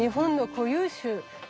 固有種？